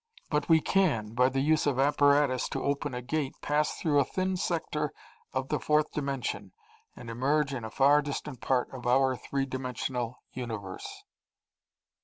But we can, by the use of apparatus to open a Gate, pass through a thin sector of the fourth dimension and emerge in a far distant part of our three dimensional universe.